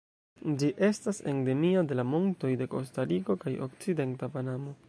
Ĝi estas endemia de la montoj de Kostariko kaj okcidenta Panamo.